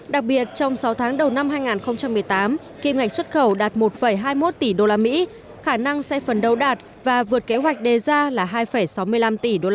đặc biệt trong sáu tháng đầu năm hai nghìn một mươi tám kim ngạch xuất khẩu đạt một hai mươi một tỷ usd khả năng sẽ phần đầu đạt và vượt kế hoạch đề ra là hai sáu mươi năm tỷ usd